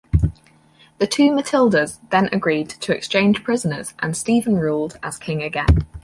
The two Matildas then agreed to exchange prisoners and Stephen ruled as king again.